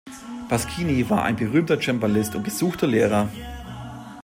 Pasquini war ein berühmter Cembalist und gesuchter Lehrer.